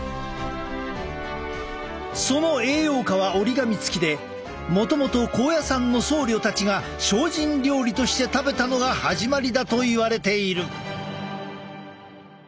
その栄養価は折り紙付きでもともと高野山の僧侶たちが精進料理として食べたのが始まりだといわれている。